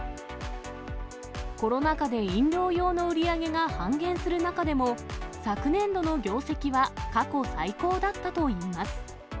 コロナ禍で飲料用の売り上げが半減する中でも、昨年度の業績は過去最高だったといいます。